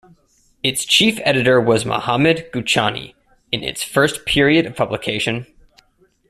Its chief editor was Mohammad Ghouchani in its first period of publication.